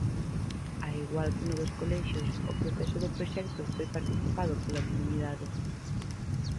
Ao igual que no dos colexios, o proceso do proxecto foi participado pola comunidade.